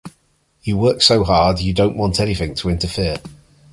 You work so hard, you don't want anything to interfere.